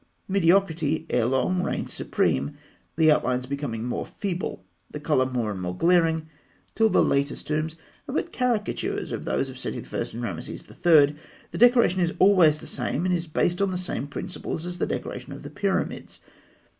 Mediocrity ere long reigned supreme, the outlines becoming more feeble, the colour more and more glaring, till the latest tombs are but caricatures of those of Seti I. and Rameses III. The decoration is always the same, and is based on the same principles as the decoration of the pyramids.